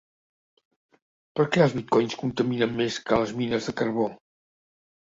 Per què els bitcoins contaminen més que les mines de carbó?